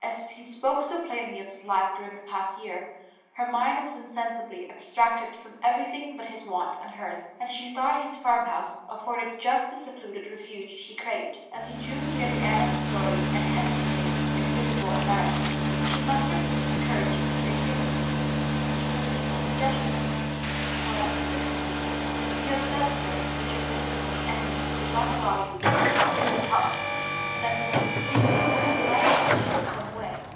As he spoke so plainly of his life during the past year, her mind was insensibly abstracted from everything but his want and hers, and she thought his farmhouse afforded just the secluded refuge she craved. As he drew near the end of his story and hesitated in visible embarrassment, she mustered courage to say timidly, "Would you permit a suggestion from me?" "Why, certainly." "You have said, sir, that your business and means would not allow you to keep two in help, and as you have been speaking I have tried to think of some way.